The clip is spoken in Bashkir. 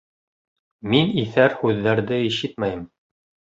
Мин иҫәр һүҙҙәрҙе ишетмәйем.